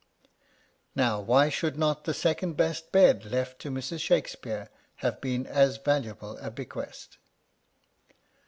Now why should not the second best bed left to Mrs. Shakespeare have been as valuable a bequest